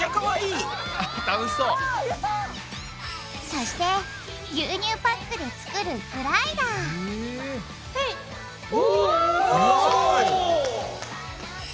そして牛乳パックで作るグライダーへい！おすごい！